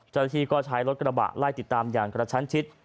เจ้าหน้าที่ก็ใช้รถกระบะไล่ติดตามอย่างกระชั้นชิด